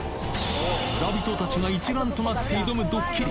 村人たちが一丸となって挑むドッキリ。